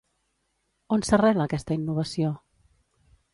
On s'arrela aquesta innovació?